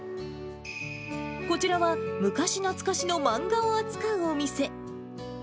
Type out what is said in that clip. こちらは、昔懐かしの漫画を扱うお店。